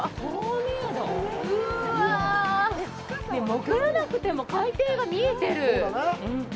うわ、潜らなくても海底が見えてる。